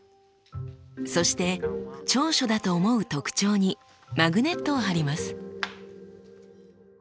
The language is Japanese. そして長所だと思う特徴にマグネットを貼ります。